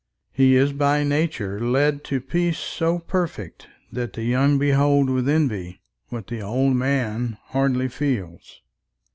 He is by nature led To peace so perfect, that the young behold With envy, what the old man hardly feels.